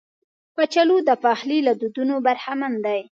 کچالو د پخلي له دودونو برخمن دي